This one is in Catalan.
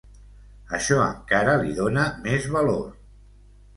Això encara li dona més valor.